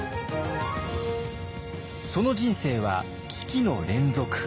その人生は危機の連続。